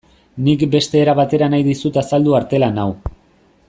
Nik beste era batera nahi dizut azaldu artelan hau.